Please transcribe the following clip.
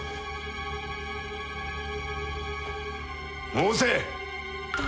申せ！